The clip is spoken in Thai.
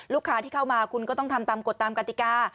ลูกค้าที่เข้ามาคุณก็ต้องทำตามกฎตามกติกา